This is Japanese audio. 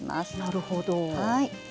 なるほど。